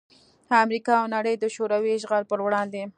امریکا او نړۍ دشوروي اشغال پر وړاندې